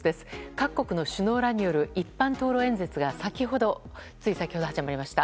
各国の首脳らによる一般討論演説がつい先ほど、始まりました。